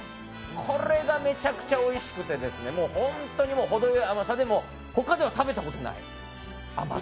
これがめちゃくちゃおいしくて本当にほどよい甘さでほかには食べたことのない甘さ。